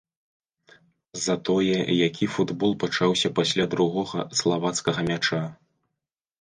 Затое які футбол пачаўся пасля другога славацкага мяча!